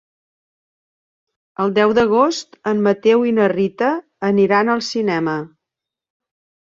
El deu d'agost en Mateu i na Rita aniran al cinema.